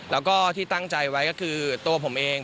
แล้วก็ที่ตั้งใจไว้ก็คือตัวผมเอง